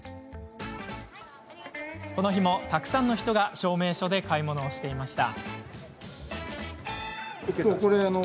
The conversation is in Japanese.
この日も、たくさんの人が証明書で買い物をしていました。